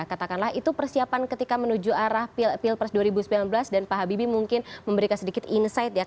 katakanlah itu persiapan ketika menuju arah pilpres dua ribu sembilan belas dan pak habibie mungkin memberikan sedikit insight ya